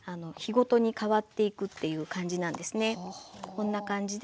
こんな感じで。